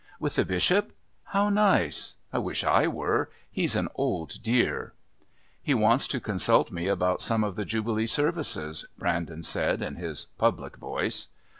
"With the Bishop? How nice! I wish I were. He's an old dear." "He wants to consult me about some of the Jubilee services," Brandon said in his public voice.